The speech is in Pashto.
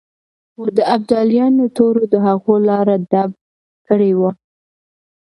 خو د ابدالیانو تورو د هغوی لاره ډب کړې وه.